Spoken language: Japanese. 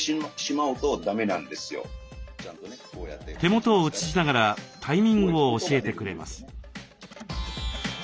手元を映しながらタイミングを教えてくれます。